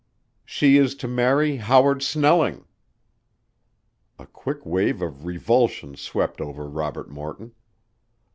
She is to marry Howard Snelling." A quick wave of revulsion swept over Robert Morton.